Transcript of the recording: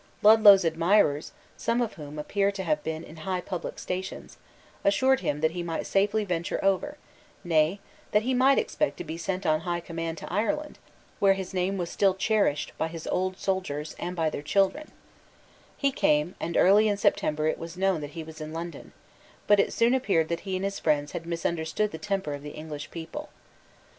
Ludlow's admirers, some of whom appear to have been in high public situations, assured him that he might safely venture over, nay, that he might expect to be sent in high command to Ireland, where his name was still cherished by his old soldiers and by their children, He came and early in September it was known that he was in London, But it soon appeared that he and his friends had misunderstood the temper of the English people.